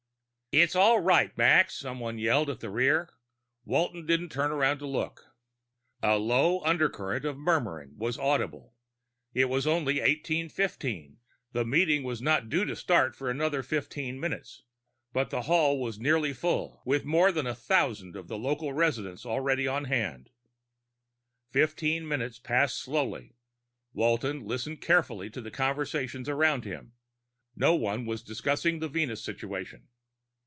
"It's all right, Max!" someone yelled from the rear. Walton didn't turn around to look. A low undercurrent of murmuring was audible. It was only 1815; the meeting was not due to start for another fifteen minutes, but the hall was nearly full, with more than a thousand of the local residents already on hand. The fifteen minutes passed slowly. Walton listened carefully to the conversations around him; no one was discussing the Venus situation.